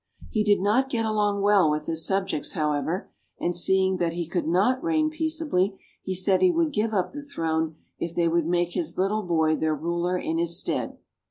He did not get along well with his subjects, however, and seeing that he could not reign peaceably, he said he would give up the throne if they would make his little boy their ruler in his stead.